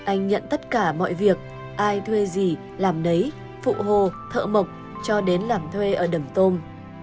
anh nhận tất cả mọi việc ai thuê gì làm nấy phụ hồ thợ mộc cho đến làm thuê ở đầm tôm